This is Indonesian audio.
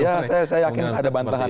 ya saya yakin ada bantahan